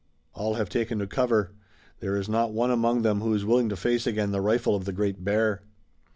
"All have taken to cover. There is not one among them who is willing to face again the rifle of the Great Bear."